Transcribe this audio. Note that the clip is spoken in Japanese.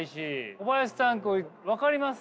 小林さんこれ分かります？